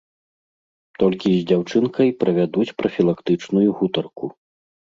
Толькі з дзяўчынкай правядуць прафілактычную гутарку.